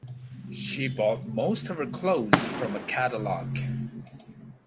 She bought most of her clothes from a catalogue